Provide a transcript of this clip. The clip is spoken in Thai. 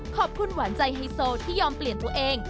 ขอบคุณหวานใจไฮโซที่ยอมเปลี่ยนตัวเอง